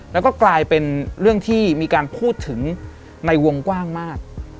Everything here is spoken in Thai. แล้วก็กลายเป็นเรื่องที่มีการพูดถึงในวงกว้างมาก